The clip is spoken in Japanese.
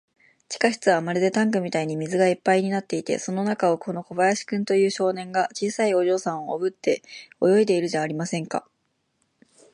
地下室はまるでタンクみたいに水がいっぱいになっていて、その中を、この小林君という少年が、小さいお嬢さんをおぶって泳いでいるじゃありませんか。